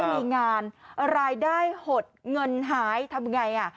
มีงานรายได้หดเงินหายทำไง